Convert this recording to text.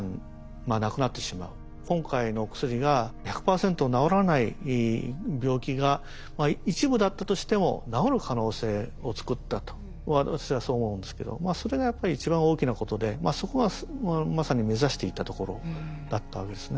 今回のお薬が１００％治らない病気が一部だったとしても治る可能性を作ったと私はそう思うんですけどそれがやっぱり一番大きなことでそこがまさに目指していたところだったわけですね。